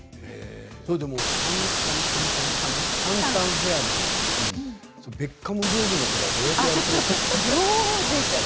それでもタンタンヘアなのにベッカムブームの頃はどうやってやり過ごしたんですか？